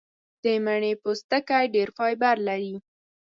د مڼې پوستکی ډېر فایبر لري.